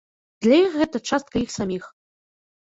Для іх гэта частка іх саміх.